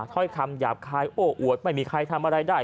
ถ้อยคำหยาบคายโอ้อวดไม่มีใครทำอะไรได้